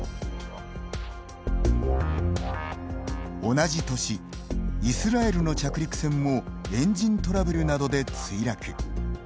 同じ年イスラエルの着陸船もエンジントラブルなどで墜落。